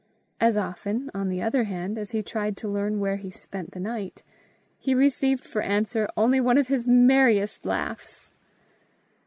As often, on the other hand, as he tried to learn where he spent the night, he received for answer only one of his merriest laughs.